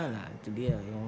nah itu dia